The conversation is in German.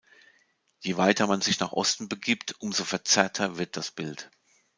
Je weiter man sich nach Osten begibt, umso verzerrter wird das Bild.